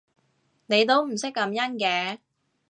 你都唔識感恩嘅